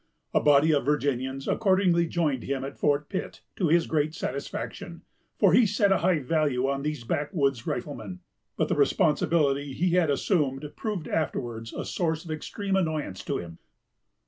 A body of Virginians accordingly joined him at Fort Pitt, to his great satisfaction, for he set a high value on these backwoods riflemen; but the responsibility he had assumed proved afterwards a source of extreme annoyance to him.